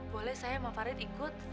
boleh saya mau farid ikut